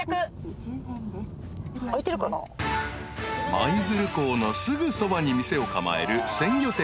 ［舞鶴港のすぐそばに店を構える鮮魚店］